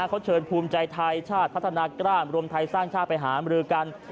เขาเชิญภูมิใจไทยชาติพัฒนากล้ามรวมไทยสร้างชาติไปหามรือกัน